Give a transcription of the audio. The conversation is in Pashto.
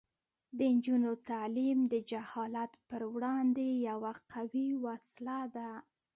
د نجونو تعلیم د جهالت پر وړاندې یوه قوي وسله ده.